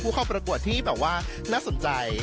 เข้าประกวดที่แบบว่าน่าสนใจ